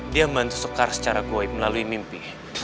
dia membantu soekar secara goib melalui mimpi